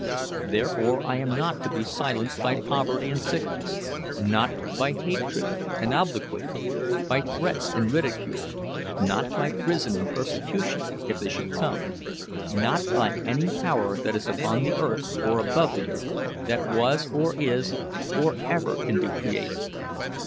Therefore I am not to be silenced by poverty and sickness, not by hatred and obloquy, by threats and ridicule—not by prison and persecution, if they should come—not by any power that is upon the earth or above the earth, that was, or is, or ever can be created.